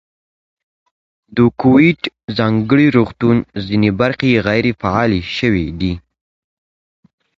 د کوویډ ځانګړي روغتون ځینې برخې غیر فعالې شوې دي.